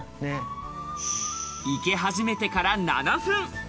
いけ始めてから７分。